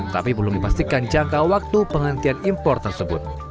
tapi belum dipastikan jangka waktu penghentian impor tersebut